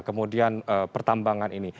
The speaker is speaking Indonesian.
kemudian pertambangan ini